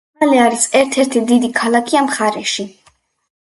ჰალე არის ერთ-ერთი დიდი ქალაქი ამ მხარეში.